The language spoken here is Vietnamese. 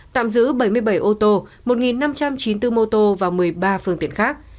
tạm giữ bảy mươi bảy ô tô một năm trăm chín mươi bốn mô tô và một mươi ba phương tiện khác